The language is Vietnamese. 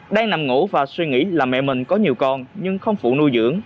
đang nằm ngủ và suy nghĩ là mẹ mình có nhiều con nhưng không phụ nuôi dưỡng